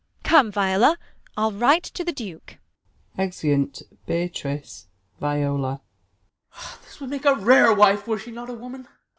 Come, Viola, Til write to the Duke I [Exeuni Beatrice, Viola. Ben. This would make a rare wife, were she not A Avoman. Balt.